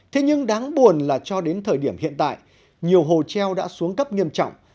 thế nhưng đáng buồn là cho đến thời điểm hiện tại nhiều hồ treo đã xuống cấp nghiêm trọng